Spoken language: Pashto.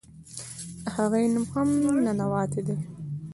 د هغې نوم هم "ننواتې" دے.